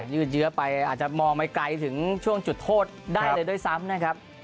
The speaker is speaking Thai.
ยืดเยื้อไปอาจจะมองไม่ไกลถึงช่วงจุดโทษได้เลยด้วยซ้ำนะครับ